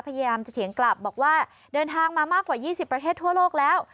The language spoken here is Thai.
พยายามจะเถียงกลับบอกว่าเดินทางมามากกว่า๒๐ประเทศทั่วโลกแล้ว